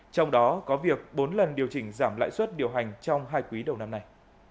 trong đó có việc bốn lần điều chỉnh giảm lãi suất điều hành trong hai quý đầu năm nay